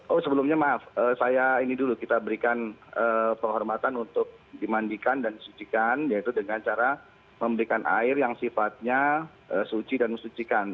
oh sebelumnya maaf saya ini dulu kita berikan penghormatan untuk dimandikan dan disucikan yaitu dengan cara memberikan air yang sifatnya suci dan mensucikan